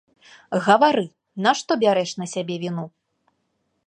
Гавары, нашто бярэш на сябе віну?!